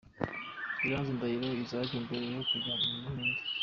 Iranzi Ndahiro Issac mbere yo kujya mu Buhinde.